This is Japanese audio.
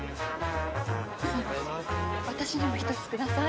私にも１つください。